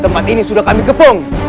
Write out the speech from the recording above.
tempat ini sudah kami kepung